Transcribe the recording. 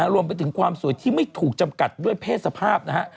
รวมไปถึงความสวยที่ไม่ถูกจำกัดด้วยเพศสภาพนะฮะ